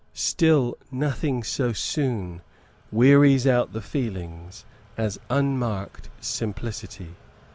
Still nothing so soon wearies out the feelings as unmarked simplicity.